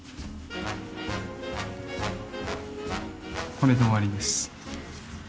これで終わりです。